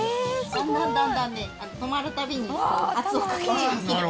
だんだんだんだんね止まるたびに圧をかけて。